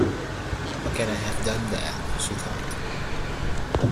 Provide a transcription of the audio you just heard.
‘How can I have done that?’ she thought.